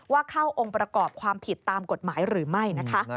เข้าองค์ประกอบความผิดตามกฎหมายหรือไม่นะคะ